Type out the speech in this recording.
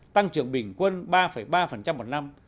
tăng trưởng bình quân ba ba một năm